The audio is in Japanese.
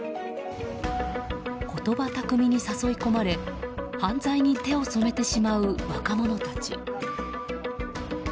言葉巧みに誘い込まれ犯罪に手を染めてしまう若者たち。